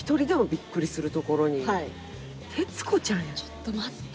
ちょっと待って。